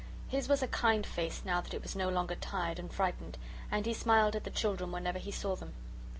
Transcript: His was a kind face now that it was no longer tired and frightened, and he smiled at the children whenever he saw them.